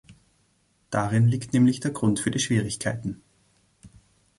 Darin liegt nämlich der Grund für die Schwierigkeiten.